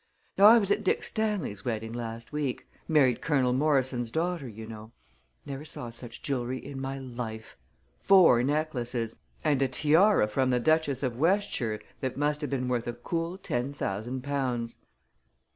Now I was at Dick Stanley's wedding last week married Colonel Morrison's daughter, you know. Never saw such jewelry in my life! Four necklaces; and a tiara from the Duchess of Westshire that must have been worth a cool ten thousand pounds."